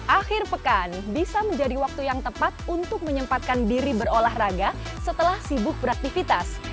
akhir pekan bisa menjadi waktu yang tepat untuk menyempatkan diri berolahraga setelah sibuk beraktivitas